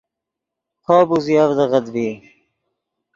کوپ اوزیڤدغت ڤی